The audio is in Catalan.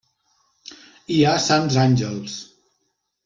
Hi ha sants àngels.